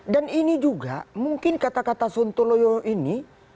dan ini juga mungkin kata kata suntuloyo ini